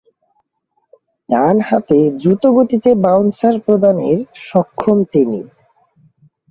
ডানহাতে দ্রুতগতিতে বাউন্সার প্রদানের সক্ষম তিনি।